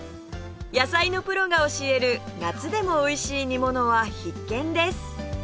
野菜のプロが教える夏でもおいしい煮ものは必見です！